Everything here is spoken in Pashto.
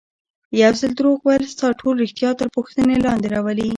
یو ځل دروغ ویل ستا ټول ریښتیا تر پوښتنې لاندې راولي.